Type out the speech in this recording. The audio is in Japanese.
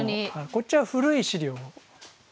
こっちは古い資料を。